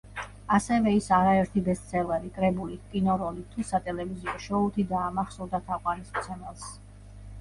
ასევე ის არაერთი ბესტსელერი კრებულით, კინოროლით თუ სატელევიზიო შოუთი დაამახსოვრდა თაყვანისმცემელს.